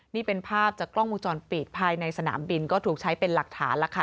นี่เป็นภาพจากกล้องวงจรปิดภายในสนามบินก็ถูกใช้เป็นหลักฐานแล้วค่ะ